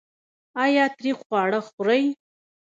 ایا تریخ خواړه خورئ؟